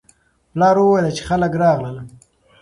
پلار وویل چې خلک راغلل.